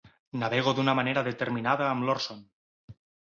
Navego d'una manera determinada amb l'Orson.